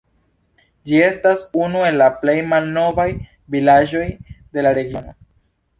Ĝi estas unu el la plej malnovaj vilaĝoj de la regiono.